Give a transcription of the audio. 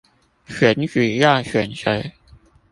選舉要選誰